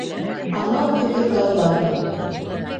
Анау Көтөртауҙамы?